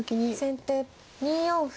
先手２四歩。